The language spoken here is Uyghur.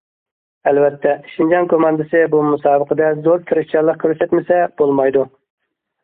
ئەلۋەتتە، شىنجاڭ كوماندىسى بۇ مۇسابىقىدە زور تىرىشچانلىق كۆرسەتمىسە بولمايدۇ.